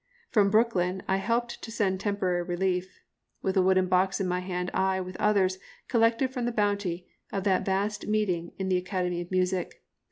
From Brooklyn I helped to send temporary relief. With a wooden box in my hand I, with others, collected from the bounty of that vast meeting in the Academy of Music.